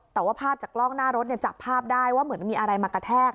แต่ว่าภาพจากกล้องหน้ารถจับภาพได้ว่าเหมือนมีอะไรมากระแทก